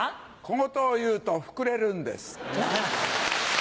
小言を言うと膨れるんです。